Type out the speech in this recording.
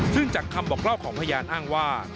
ซึ่งจากคำบอกเล่าของพยานอ้างว่า